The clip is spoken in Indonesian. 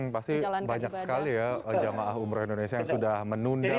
pasti banyak sekali ya jamaah umrah indonesia yang sudah menjalankan ibadah